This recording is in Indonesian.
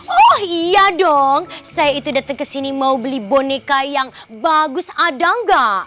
oh iya dong saya itu datang kesini mau beli boneka yang bagus ada gak